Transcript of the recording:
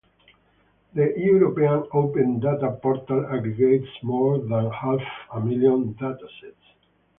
The European Open Data portal aggregates more than half a million datasets.